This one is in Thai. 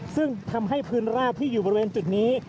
ซึ่งทำให้พื้นราบที่อยู่บริเวณจุดนี้